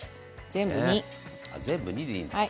全部２でいいです。